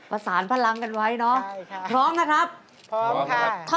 ประสานพลังกันไว้เนาะพร้อมนะครับพร้อมค่ะ